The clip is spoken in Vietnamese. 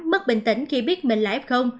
mất bình tĩnh khi biết mình là f